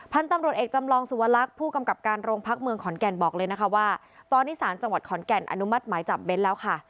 พันธุ์ตำรวจเอกจำลองสุวรรคผู้กำกับการโรงพักเมืองขอนแก่นบอกเลยนะคะว่าตอนนี้สารจังหวัดขอนแก่นอนุมัติหมายจับเน้นแล้วค่ะ